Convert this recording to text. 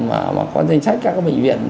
mà có danh sách các cái bệnh viện